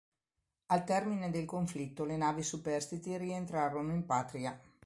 Al termine del conflitto le navi superstiti rientrarono in patria.